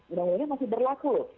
undang undangnya masih berlaku